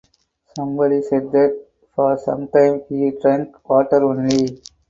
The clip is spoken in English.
Somebody said that for sometime he drunk water only.